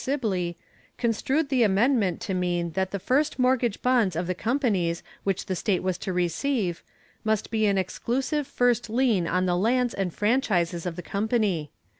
Sibley, construed the amendment to mean that the first mortgage bonds of the companies which the state was to receive must be an exclusive first lien on the lands and franchises of the company.